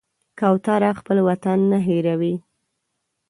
کوتره خپل وطن نه هېروي.